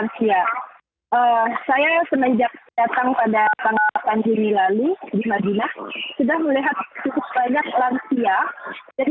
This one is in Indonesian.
lansia saya semenjak datang pada tanggal delapan juni lalu di madinah sudah melihat cukup banyak lansia jadi